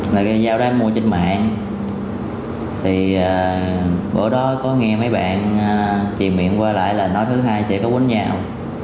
là cái giao đáp mua trên mạng thì bữa đó có nghe mấy bạn thì miệng qua lại là nói thứ hai sẽ có quấn nhau